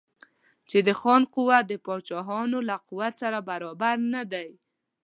چې د خان قوت د پاچاهانو له قوت سره برابر نه دی.